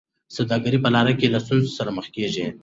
سوداګر په لاره کي له ستونزو سره مخ کیږي.